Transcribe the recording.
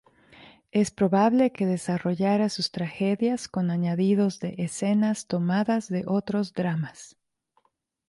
Es probable que desarrollara sus tragedias con añadidos de escenas tomadas de otros dramas.